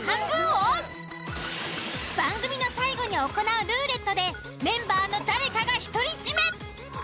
番組の最後に行うルーレットでメンバーの誰かが独り占め！